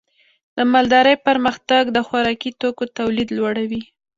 د مالدارۍ پرمختګ د خوراکي توکو تولید لوړوي.